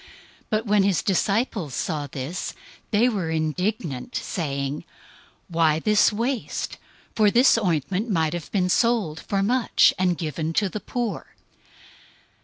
026:008 But when his disciples saw this, they were indignant, saying, "Why this waste? 026:009 For this ointment might have been sold for much, and given to the poor."